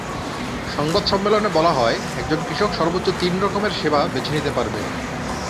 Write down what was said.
সংবাদ সম্মেলনে বলা হয়, একজন কৃষক সর্বোচ্চ তিন রকমের সেবা বেছে নিতে পারবেন।